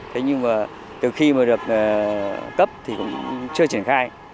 thế nhưng mà từ khi mà được cấp thì cũng chưa triển khai